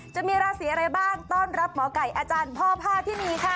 จะมีราศีอะไรบ้างต้อนรับหมอไก่อาจารย์พ่อพาทินีค่ะ